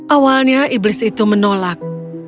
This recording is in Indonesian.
awalnya iblis itu menolak